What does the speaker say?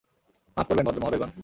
মাফ করবেন ভদ্র মহোদয়গন?